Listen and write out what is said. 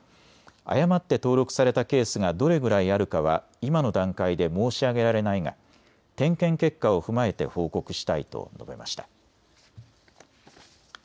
誤って登録されたケースがどれぐらいあるかは今の段階で申し上げられないが点検結果を踏まえて報告したいと述べました。